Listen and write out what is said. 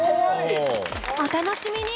お楽しみに！